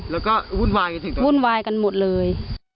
แล้วก็วุ่นวายกันหมดเลย